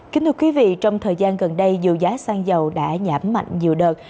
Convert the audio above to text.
kính thưa quý vị trong thời gian gần đây dù giá xăng dầu đã giảm mạnh nhiều đợt